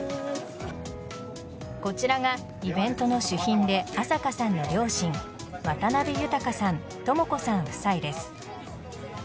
こちらがイベントの主賓で麻香さんの両親渡辺寛さん・知子さん夫妻です。